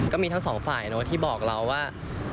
ก็มีทั้งสองฝ่ายที่บอกเราว่า